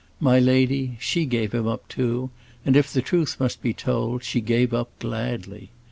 My lady, she gave him up too, and if the truth must be told, she gave him up gladly.